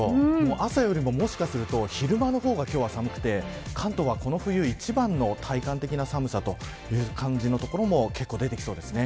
朝よりも、もしかすると昼間のが今日は寒くて関東は、この冬一番の体感的な寒さという感じの所も結構出てきそうですね。